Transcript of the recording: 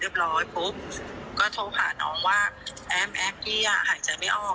ร้อยปุ๊บก็โทรหาน้องว่าแอมแอฟกี้หายใจไม่ออก